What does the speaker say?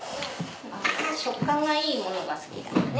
食感がいいものが好きだよね。